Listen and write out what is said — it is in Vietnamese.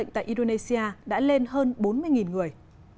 tổng số ca mắc bệnh ở indonesia đã lên hơn bốn mươi người